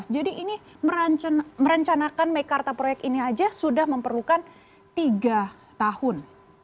jadi ini merencanakan mekarta proyek ini saja sudah memperlukan tiga tahun